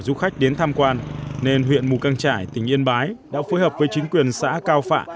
du khách đến tham quan nên huyện mù căng trải tỉnh yên bái đã phối hợp với chính quyền xã cao phạ